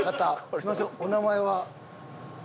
すいませんお名前は？